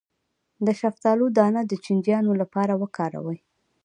د شفتالو دانه د چینجیانو لپاره وکاروئ